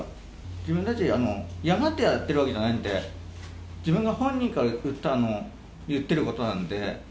自分たち、嫌がってやってるわけじゃないんで、自分が本人から言ってることなんで。